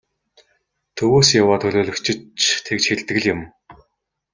Төвөөс яваа төлөөлөгчид ч тэгж хэлдэг л юм.